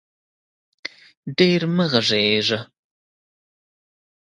ډېر مه غږېږه